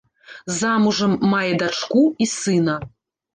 Замужам, мае дачку і сына.